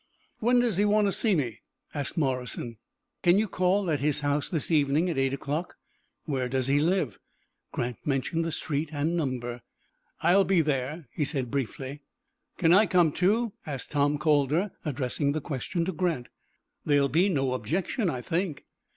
"When does he want to see me?" asked Morrison. "Can you call at his house this evening at eight o'clock?" "Where does he live?" Grant mentioned the street and number. "I will be there," he said, briefly. "Can I come, too?" asked Tom Calder, addressing the question to Grant. "There will be no objection, I think."